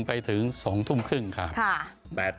ไปถึง๒ทุ่มครึ่งครับ